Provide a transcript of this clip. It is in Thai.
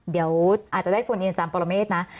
เดี๋ยวอาจจะได้ฟูลอินจำประโลเมฆนะ